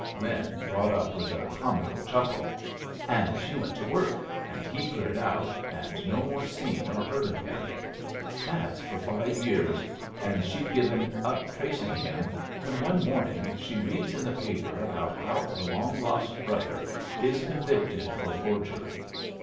Lin brought up with a comical chuckle. "And she went to work, and he cleared out, and no more seen or heard of him. That's for five years, and she'd given up tracing him, when one morning she reads in the paper about how her long lost brother is convicted for forgery.